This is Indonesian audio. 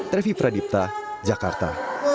trevi pradipta jakarta